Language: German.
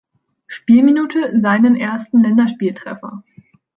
Spielminute seinen ersten Länderspieltreffer.